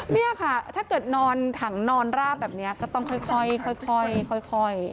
นี่ค่ะถ้าเกิดนอนถังนอนราบแบบนี้ก็ต้องค่อย